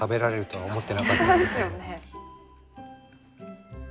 はい。